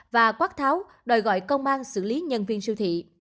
và quát tháo đòi gọi công an xử lý nhân viên siêu thị